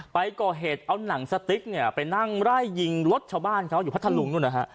ไปก่อเหตุเอานังสติ๊กไปนั่งไล่ยิงรถชาวบ้านเขาอยู่พัทธารุง